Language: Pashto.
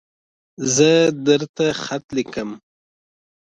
زه درته خط لیکم